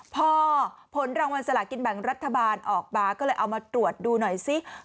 พอผลรางวัลสลากินแบ่งรัฐบาลออกมาก็เลยเอามาตรวจดูหน่อยซิ